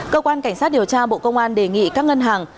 cơ quan cảnh sát điều tra bộ công an đề nghị các ngân hàng